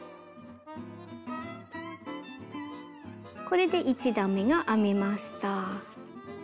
これで１段めが編めました。